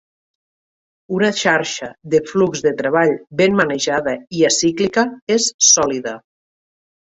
Una xarxa de flux de treball ben manejada i acíclica és sòlida.